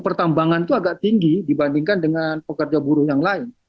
pertambangan itu agak tinggi dibandingkan dengan pekerja buruh yang lain